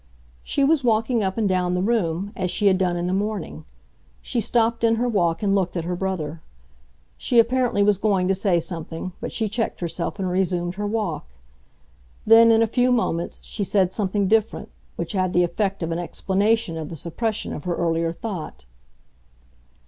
She was walking up and down the room, as she had done in the morning; she stopped in her walk and looked at her brother. She apparently was going to say something, but she checked herself and resumed her walk. Then, in a few moments, she said something different, which had the effect of an explanation of the suppression of her earlier thought.